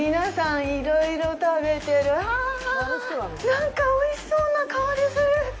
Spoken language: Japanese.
なんかおいしそうな香りする！